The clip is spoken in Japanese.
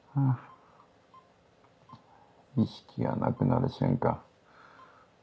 意識がなくなる瞬間